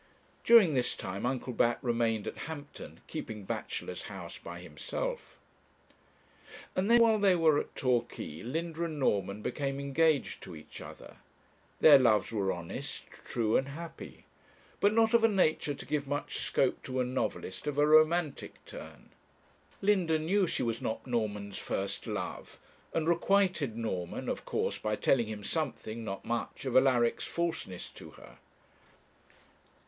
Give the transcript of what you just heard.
During this time Uncle Bat remained at Hampton, keeping bachelor's house by himself. And then while they were at Torquay, Linda and Norman became engaged to each other. Their loves were honest, true, and happy; but not of a nature to give much scope to a novelist of a romantic turn. Linda knew she was not Norman's first love, and requited Norman, of course, by telling him something, not much, of Alaric's falseness to her.